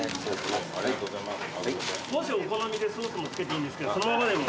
お好みでソースもつけていいんですけどそのままでも。